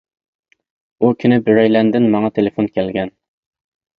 ئۇ كۈنى بىرەيلەندىن ماڭا تېلېفون كەلگەن.